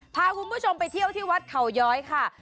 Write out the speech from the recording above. พาคุณผู้ชมไปเที่ยวที่วัดเขาย้อยค่ะ